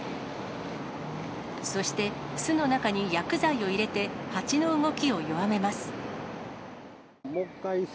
そして、巣の中に薬剤を入れて、蜂の動きを弱めます。